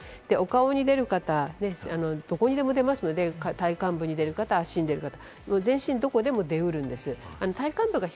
お顔に出る方、どこにでも出ますので、体幹部に出る方、足に出る方、全身どこでも出うるんです。